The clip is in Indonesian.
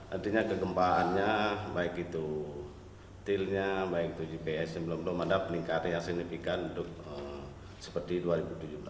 artinya kegempaannya baik itu tilnya baik itu gps yang belum belum ada peningkatan yang signifikan seperti dua ribu tujuh belas